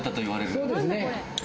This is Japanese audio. そうですね。